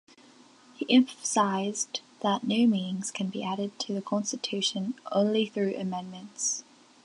He emphasized that new meanings can be added to the Constitution only through amendments.